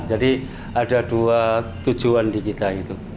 jadi ada dua tujuan di kita itu